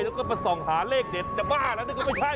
แล้วก็มาส่องหาเลขเด็ดมันจะบ้าละนึกว่าไม่ใช่